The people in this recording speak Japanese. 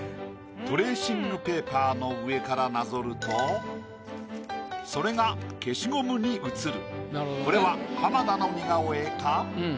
トレーシングペーパーの上からなぞるとそれが消しゴムに写る。